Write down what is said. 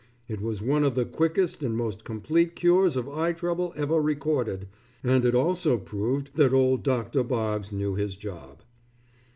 It was one of the quickest and most complete cures of eye trouble ever recorded, and it also proved that old Doctor Boggs knew his job.